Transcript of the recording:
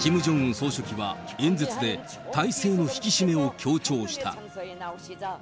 総書記は演説で、体制の引き締めを強調した。